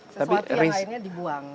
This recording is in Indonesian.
sesuatu yang lainnya dibuang